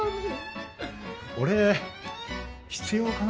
俺必要かな。